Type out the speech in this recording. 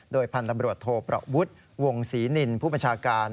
โดยพันธบรวดโทประวุฒิวงศรีนินทร์ผู้ประชาการ